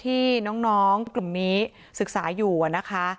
ที่น้องกลุ่มนี้ศึกษาอยู่นะคะ